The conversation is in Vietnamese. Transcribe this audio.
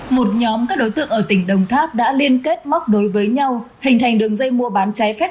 một nhóm các đối tượng ở tỉnh đồng tháp đã liên kết móc đối với nhau hình thành đường dây mua bán trái phép